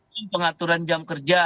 lima pengaturan jam kerja